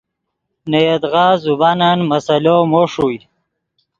نے یدغا زبانن مسئلو مو ݰوئے